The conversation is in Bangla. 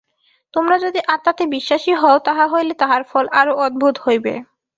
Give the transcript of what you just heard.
তোমরা যদি আত্মাতে বিশ্বাসী হও, তাহা হইলে তাহার ফল আরও অদ্ভুত হইবে।